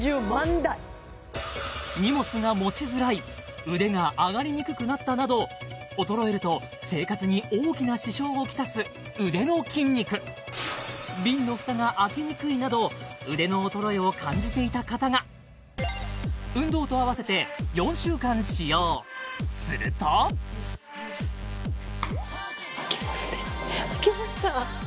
台荷物が持ちづらい腕が上がりにくくなったなど衰えると生活に大きな支障をきたす腕の筋肉腕の衰えを感じていた方が運動と併せて４週間使用すると開きますね開きました